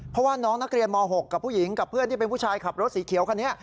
เพราะว่าน้องนักเรียนม๖กับผู้หญิงกับเพื่อนที่เป็นผู้ชายขับรถสีเขียวคันนี้